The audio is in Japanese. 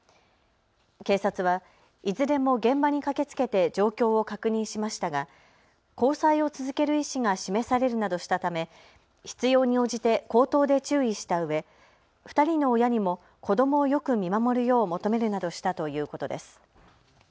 警察はいずれも現場に駆けつけて状況を確認しましたが交際を続ける意思が示されるなどしたため必要に応じて口頭で注意したうえ２人の親にも子どもをよく見守るよう求めるなどしたということです。